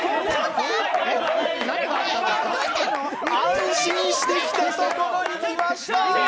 安心してきたところにきました。